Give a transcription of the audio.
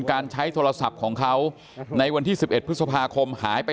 การใช้โทรศัพท์ของเขาในวันที่๑๑พฤษภาคมหายไป